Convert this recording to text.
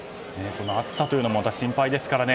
暑さというのもまた心配ですからね。